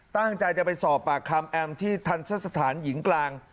ตั้งใจจะไปสอบปากคำแอมที่ทันทะสถานหญิงกลาง